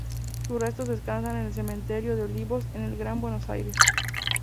Sus restos descansan en Cementerio de Olivos en el Gran Buenos Aires.